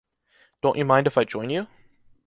Don't you mind if I join you?